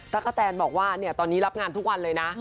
กะแตนบอกว่าตอนนี้รับงานทุกวันเลยนะ